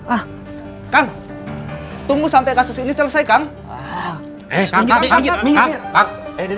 ah kan tunggu sampai kasus ini selesai kang eh kakak kakak kakak kakak